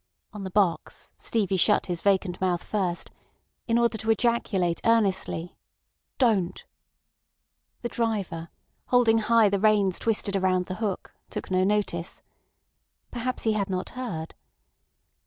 On the box, Stevie shut his vacant mouth first, in order to ejaculate earnestly: "Don't." The driver, holding high the reins twisted around the hook, took no notice. Perhaps he had not heard.